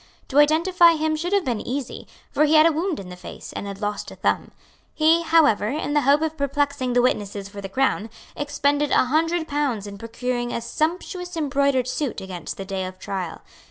To identify him should have been easy; for he had a wound in the face, and had lost a thumb. He, however, in the hope of perplexing the witnesses for the Crown, expended a hundred pounds in procuring a sumptuous embroidered suit against the day of trial.